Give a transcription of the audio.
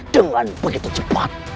dengan begitu cepat